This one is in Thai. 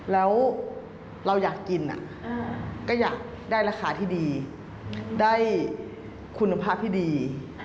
แล้วเราอยากกินก็อยากได้ราคาที่ดีได้คุณภาพที่ดี